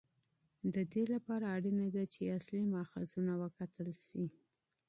د دې لپاره اړینه ده چې اصلي ماخذونه وکتل شي.